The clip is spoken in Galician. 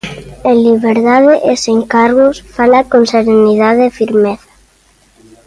En liberdade e sen cargos, fala con serenidade e firmeza.